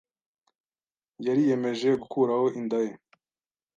yariyemeje gukuraho inda ye.